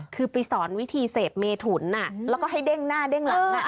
คือไปสอนวิธีเสพเมถุนแล้วก็ให้เด้งหน้าเด้งหลัง